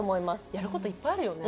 やる事いっぱいあるよね。